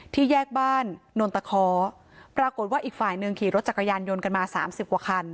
แยกบ้านนนตะคอปรากฏว่าอีกฝ่ายหนึ่งขี่รถจักรยานยนต์กันมาสามสิบกว่าคัน